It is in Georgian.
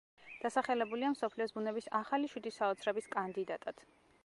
დასახელებულია მსოფლიოს ბუნების ახალი შვიდი საოცრების კანდიდატად.